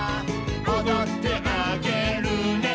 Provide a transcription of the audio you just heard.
「おどってあげるね」